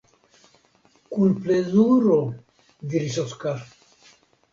Kun plezuro, diris Oskar.